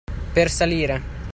Per salire!